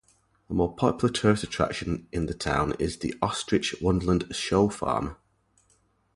A more popular tourist attraction in the town is the Ostrich Wonderland Show Farm.